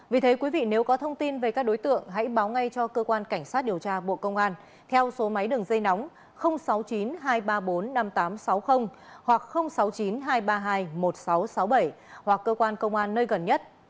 vì thế quý vị nếu có thông tin về các đối tượng hãy báo ngay cho cơ quan cảnh sát điều tra bộ công an theo số máy đường dây nóng sáu mươi chín hai trăm ba mươi bốn năm nghìn tám trăm sáu mươi hoặc sáu mươi chín hai trăm ba mươi hai một nghìn sáu trăm sáu mươi bảy hoặc cơ quan công an nơi gần nhất